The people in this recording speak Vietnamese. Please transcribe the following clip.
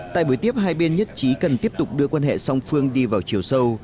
tại buổi tiếp hai bên nhất trí cần tiếp tục đưa quan hệ song phương đi vào chiều sâu